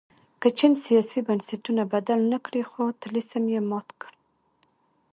که چین سیاسي بنسټونه بدل نه کړل خو طلسم یې مات کړ.